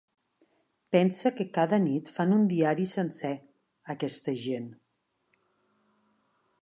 Pensa que cada nit fan un diari sencer, aquesta gent!